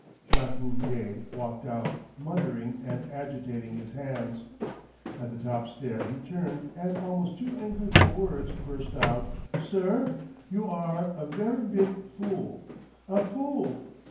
Jacques Bouvier walked out, muttering and agitating his hands. At the top stair he turned and, almost too angry for words, burst out, " Sir — you are a ver' big fool — a fool!